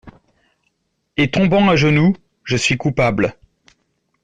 Et tombant à genoux : Je suis coupable.